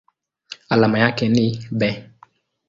Alama yake ni Be.